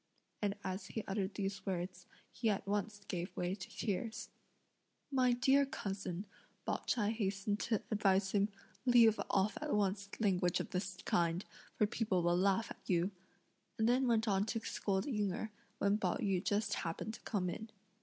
And as he uttered these words, he at once gave way to tears. "My dear cousin," Pao ch'ai hastened to advise him, "leave off at once language of this kind, for people will laugh at you;" and then went on to scold Ying Erh, when Pao yü just happened to come in.